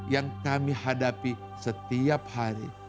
yang kami hadapi setiap hari